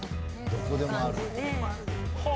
どこでもある。